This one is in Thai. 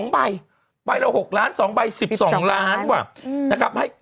๒ใบใบละ๖ล้าน๒ใบ๑๒ล้านว่ะ